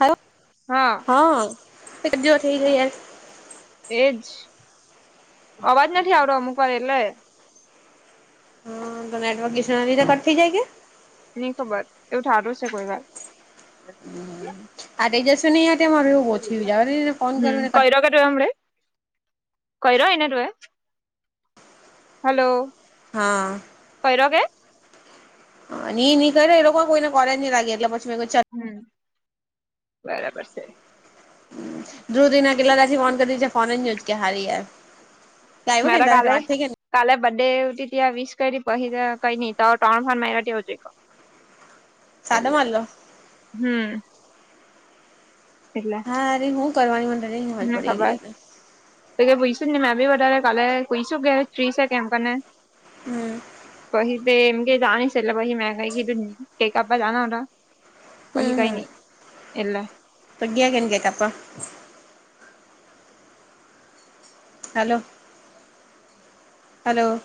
આયો. હા. હા [unintelligible] એજ અવાજ નથી આવડ્યો અમુક વાર એટલે. હ તો નેટર્કિશ તો કટ થઈ જાય છે. નઈ ખબર એવું થારું છે કોઈ વાર. આ દઈ દેશે ની [unintelligible] જવા દેને ફોન કરું ને [inaudible] કઈ રહ એને હલો. હા. કેરીઓ કે. હ ની ની કરે એ લોકો કોઈને કોલેજ નહી લાગે એટલે પછી મે ચલ હમ બરાબર સે. ધ્રુવતિ ના કિલ્લા તી ફોન કરી છે, ફોન નયુજ કે, હારી. આવ્યો કે મારા તારી સાથે કાલે વાત થઈ કે કાલે બ ડે ત્યાં વિશ કરી પછ કઈ તો ત્રણ ફણ મારા આવજ સાદો એટલે મારલો હમ એટલે હા અરે હું કરવાની મ નહી ખજ મને પડી ખબર એલી તો કે પૂઈશું ને મેં બી વધારે કાલે કઈશું કે ફ્રી છે કેમ કને હમ પછ તે એમ જાણી છે એટલે પછ મે કઈધું આપડે નાના હતા કોહી કઈ ન એટલે પગયા કેન ગતાાપા હલો, હલો.